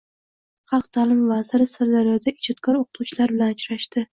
Xalq ta’limi vaziri Sirdaryoda ijodkor o‘qituvchilar bilan uchrashdi